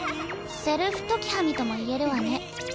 「セルフ時喰み」ともいえるわね。